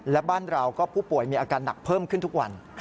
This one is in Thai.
และบ้านเราก็ผู้ป่วยมีอาการหนักเพิ่มขึ้นทุกวัน